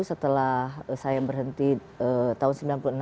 setelah saya berhenti tahun seribu sembilan ratus sembilan puluh enam